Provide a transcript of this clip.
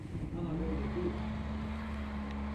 Ama böyle değil.